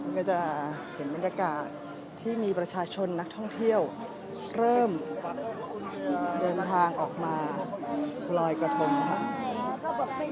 ก็จะเห็นบรรยากาศที่มีประชาชนนักท่องเที่ยวเริ่มเดินทางออกมาลอยกระทงค่ะ